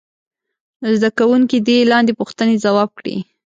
زده کوونکي دې لاندې پوښتنې ځواب کړي.